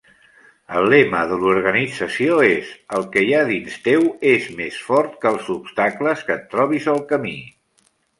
El lema de l'organització és El que hi ha dins teu és més fort que els obstacles que et trobis al camí.